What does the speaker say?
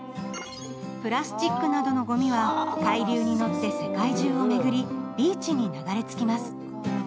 プラスチックなどのごみは海流に乗って世界中を巡り、ビーチに流れ着きます。